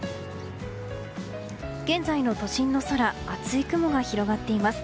現在の都心の空は厚い雲が広がっています。